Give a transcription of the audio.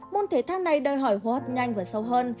môn thể thao này đòi hỏi hô hấp nhanh và sâu hơn